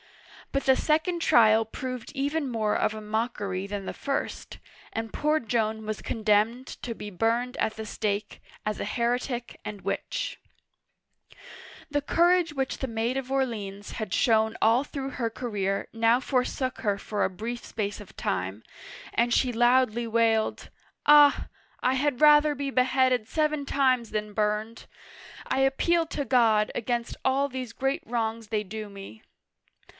But the second trial proved even more of a mockery than the first, and poor Joan was condemned to be burned at the stake, as a heretic and witch. The courage which the Maid of Orleans had shown all through her career now forsook her for a brief space of time, and she loudly wailed: "Ah! I had rather be be ■ Digitized by VjOOQIC 196 OLD FRANCE headed seven times than burned. I appeal to God against all these great wrongs they do me